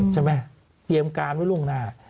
ใช่ไหมเตรียมการไว้ล่วงหน้า